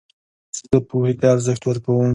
زه پوهي ته ارزښت ورکوم.